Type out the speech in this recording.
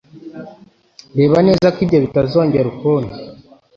Reba neza ko ibyo bitazongera ukundi.